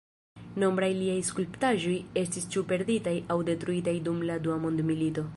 Nombraj liaj skulptaĵoj estis ĉu perditaj aŭ detruitaj dum la Dua Mondmilito.